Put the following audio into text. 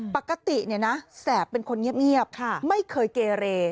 ปกติแสบเป็นคนเงียบไม่เคยเกเร